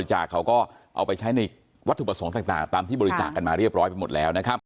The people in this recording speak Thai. ไม่ได้มีจิตภาพแบบนั้นนะยืนยันอีกแล้ว